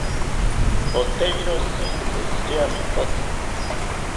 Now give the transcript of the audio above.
Poteiro shintsi shiriamentotzi